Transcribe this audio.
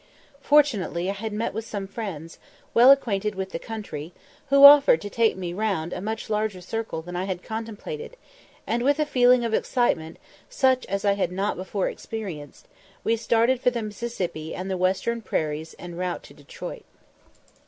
Fortunately I had met with some friends, well acquainted with the country, who offered to take me round a much larger circle than I had contemplated; and with a feeling of excitement such as I had not before experienced, we started for the Mississippi and the western prairies en route to Detroit.